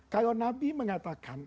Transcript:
kalau nabi mengatakan